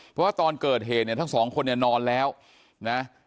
เพราะว่าตอนเกิดเหตุเนี่ยทั้งสองคนเนี่ยนอนแล้วนะ